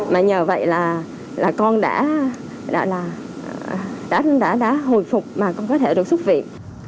mà nhờ vậy là con đã hồi phục mà con có thể được xuất viện